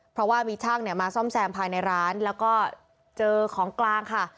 เพราะว่ามีช่างเนี่ยมาซ่อมแซมภายในร้านแล้วก็เจอของกลางค่ะ